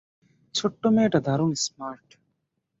ছোট্ট মেয়েটা দারুণ স্মার্ট।